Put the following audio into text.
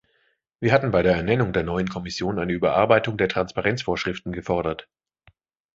Wir hatten bei der Ernennung der neuen Kommission eine Überarbeitung der Transparenzvorschriften gefordert.